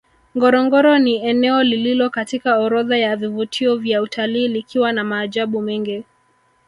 Ngorongoro ni eneo lililo katika orodha ya vivutio vya utalii likiwa na maajabu mengi